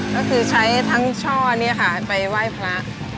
ก็คือใช้ทั้งช่อนี้ค่ะไปไหว้พระ